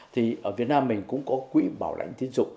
thì ở việt nam mình cũng có quỹ bảo lãnh tiến dụng